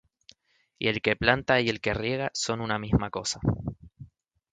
Y el que planta y el que riega son una misma cosa;